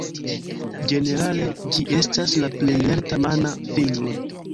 Ĝenerale ĝi estas la plej lerta mana fingro.